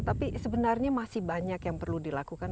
tapi sebenarnya masih banyak yang perlu dilakukan